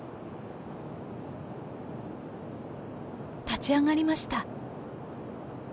立ち上がりました。